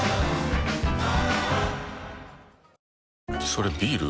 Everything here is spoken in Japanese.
それビール？